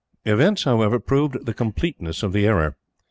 Events, however, proved the completeness of the error.